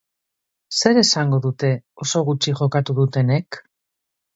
Zer esango dute oso gutxi jokatu dutenek?